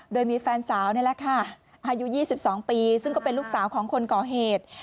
โดยมีแฟนสาวนี่แหละค่ะอายุ๒๒ปีซึ่งก็เป็นลูกสาวของคนก่อเหตุ